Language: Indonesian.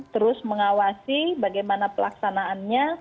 terus mengawasi bagaimana pelaksanaannya